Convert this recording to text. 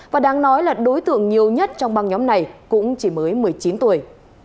và đáng nói là đối tượng nhiều nhất trong băng nhóm này cũng chỉ mới một mươi chín tuổi